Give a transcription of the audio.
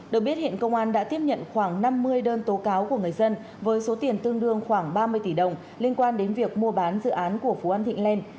được biết hiện công an đã tiếp nhận khoảng năm mươi đơn tố cáo của người dân với số tiền tương đương khoảng ba mươi tỷ đồng liên quan đến việc mua bán dự án của phú an thịnh lên